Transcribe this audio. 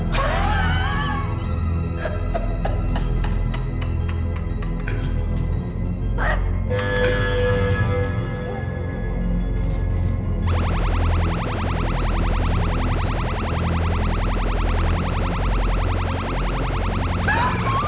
sampai jumpa di video selanjutnya